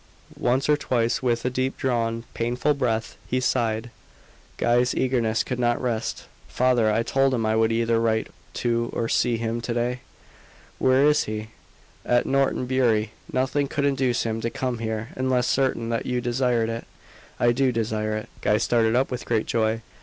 Once or twice, with a deep drawn, painful breath, he sighed. Guy's eagerness could not rest. "Father, I told him I would either write to or see him to day." "Where is he?" "At Norton Bury. Nothing could induce him to come here, unless certain that you desired it." "I do desire it." Guy started up with great joy.